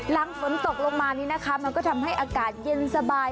หลังฝนตกลงมานี่นะคะมันก็ทำให้อากาศเย็นสบาย